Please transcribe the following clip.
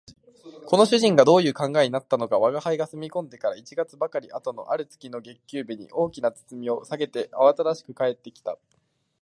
この主人がどういう考えになったものか吾輩の住み込んでから一月ばかり後のある月の月給日に、大きな包みを提げてあわただしく帰って来た